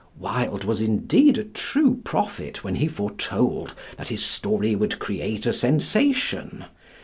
Wilde was indeed a true prophet when he foretold that his story would create a sensation.